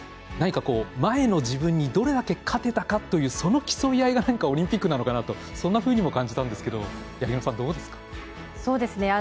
何か、前の自分にどれだけ勝てたかというその競い合いがなにかオリンピックなのかなとそんなふうにも感じたんですけど八木沼さん、どうですか？